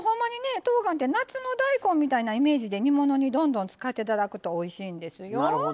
とうがんって夏の大根みたいなイメージで煮物にどんどん使っていただくとおいしいんですよ。